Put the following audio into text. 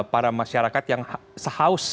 para masyarakat yang sehaus